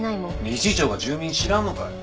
理事長が住民知らんのかい。